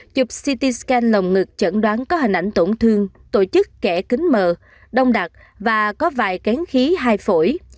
chụp ct scan lồng ngực chẩn đoán có hình ảnh tổn thương tổ chức kẻ kính mờ đong đặt và có vài kén khí hai phổi